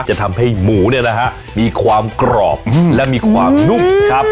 จะทำให้หมูมีความกรอบและมีความนุ่มครับ